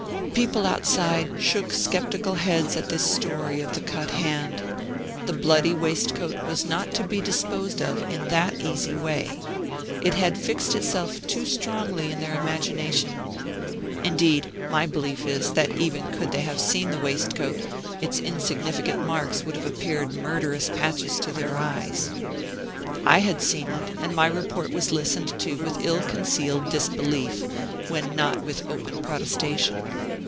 People outside shook skeptical heads at this story of the cut hand. The bloody waistcoat was not to be disposed of in that easy way. It had fixed itself too strongly in their imagination. Indeed, my belief is that even could they have seen the waistcoat, its insignificant marks would have appeared murderous patches to their eyes. I had seen it, and my report was listened to with ill concealed disbelief, when not with open protestation.